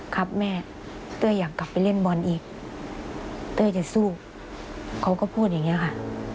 ครับแม่เต้ยอยากกลับไปเล่นบอลอีกเต้ยจะสู้เขาก็พูดอย่างนี้ค่ะ